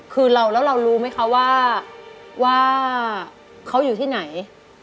คือแล้วเรารู้ไหมคะว่าเขาอยู่ที่ไหน